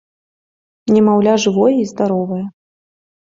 Немаўля жывое і здаровае.